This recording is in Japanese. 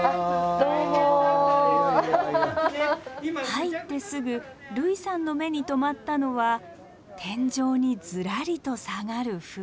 入ってすぐ類さんの目に留まったのは天井にずらりと下がる札。